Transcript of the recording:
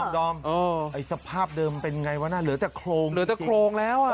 ดอมไอ้สภาพเดิมเป็นไงวะน่ะเหลือแต่โครงแล้วอ่ะ